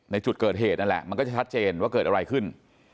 ในจุดเกิดเหตุนั่นแหละมันก็จะชัดเจนว่าเกิดอะไรขึ้น